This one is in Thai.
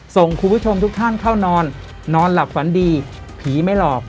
ส่งคุณผู้ชมทุกท่านเข้านอนนอนหลับฝันดีผีไม่หลอก